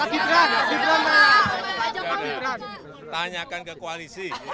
dengan pak jokowi